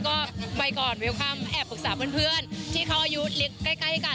ก็ไปก่อนแอบปรึกษาเพื่อนที่เขาอายุใกล้กัน